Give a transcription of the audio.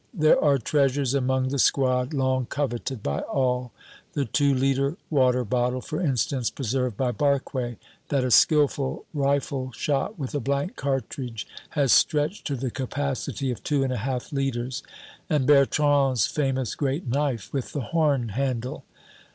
There are treasures among the squad long coveted by all; the two liter water bottle, for instance, preserved by Barque, that a skillful rifle shot with a blank cartridge has stretched to the capacity of two and a half liters; and Bertrand's famous great knife with the horn handle.